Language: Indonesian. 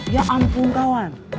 ya ampun kawan